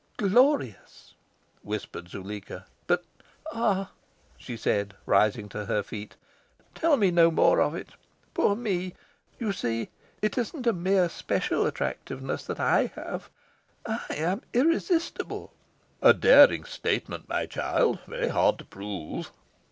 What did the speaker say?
"Glorious!" whispered Zuleika. "But ah," she said, rising to her feet, "tell me no more of it poor me! You see, it isn't a mere special attractiveness that I have. I am irresistible." "A daring statement, my child very hard to prove."